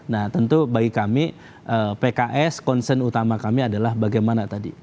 nah tentu bagi kami pks concern utama kami adalah bagaimana tadi